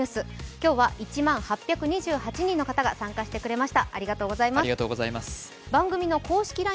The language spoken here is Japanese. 今日は１万８２８人の方が参加してくれました。